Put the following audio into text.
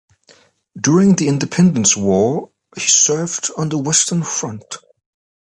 During the Independence War, he served on the western front.